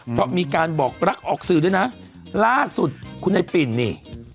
เพราะมีการบอกรักออกสื่อด้วยนะล่าสุดคุณไอ้ปิ่นนี่